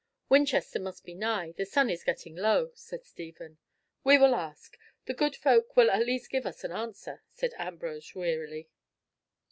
"Winchester must be nigh. The sun is getting low," said Stephen. "We will ask. The good folk will at least give us an answer," said Ambrose wearily.